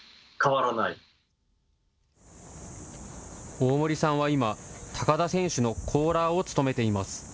大森さんは今、高田選手のコーラーを務めています。